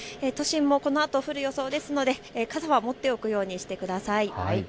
都心もこのあと降る予想ですので、傘は持っておくようにしてください。